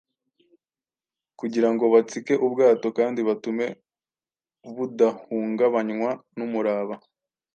kugira ngo batsike ubwato kandi batume budahungabanywa n’umuraba.